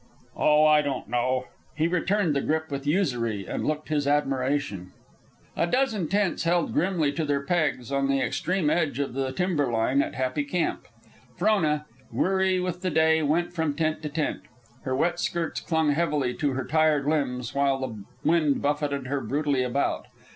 "Oh, I don't know." He returned the grip with usury and looked his admiration. A dozen tents held grimly to their pegs on the extreme edge of the timber line at Happy Camp. Frona, weary with the day, went from tent to tent. Her wet skirts clung heavily to her tired limbs, while the wind buffeted her brutally about.